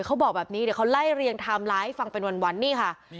เขาบอกแบบนี้เดี๋ยวเขาไล่เรียงไทม์ไลน์ให้ฟังเป็นวันนี่ค่ะ